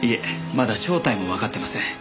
まだ正体もわかってません。